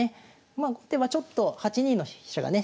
まあ後手はちょっと８二の飛車がね